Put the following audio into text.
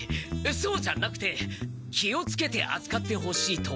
そうじゃなくて気をつけてあつかってほしいと。